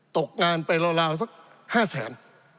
ตกงานไปราวสัก๕แสน